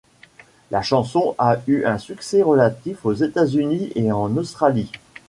La chanson a eu un succès relatif aux États-Unis et en Australie.